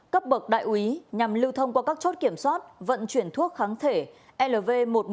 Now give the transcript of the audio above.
cấp bậc đại úy nhằm lưu thông qua các chốt kiểm soát vận chuyển thuốc kháng thể lv một trăm một mươi một